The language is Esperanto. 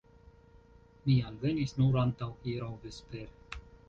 Mi alvenis nur antaŭhieraŭ vespere.